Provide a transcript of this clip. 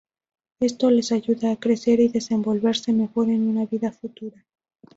Esto les ayuda a crecer y desenvolverse mejor en una vida futura.